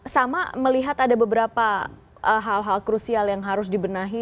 sama melihat ada beberapa hal hal krusial yang harus dibenahi